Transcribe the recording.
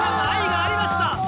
愛がありました。